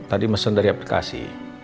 tadi mesen dari aplikasi